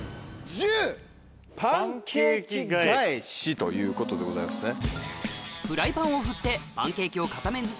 「パンケーキ返し」ということでございますね。